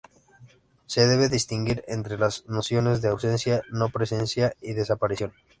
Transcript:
Se debe distinguir entre las nociones de "ausencia", "no presencia" y "desaparición".